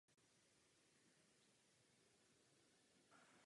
V minulosti hrál i za Anglickou reprezentaci do jednadvaceti let.